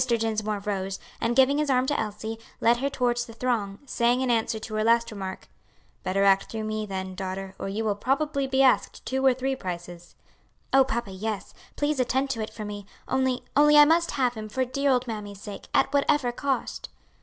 Dinsmore rose, and giving his arm to Elsie, led her towards the throng, saying in answer to her last remark, "Better act through me, then, daughter, or you will probably be asked two or three prices." "O papa, yes; please attend to it for me only only I must have him, for dear old mammy's sake, at whatever cost."